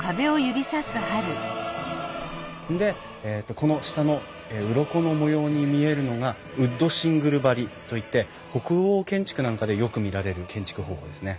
でこの下のうろこの模様に見えるのがウッドシングル張りといって北欧建築なんかでよく見られる建築方法ですね。